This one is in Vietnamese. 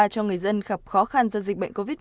cho người dân khắp khó khăn do dịch bệnh covid một mươi chín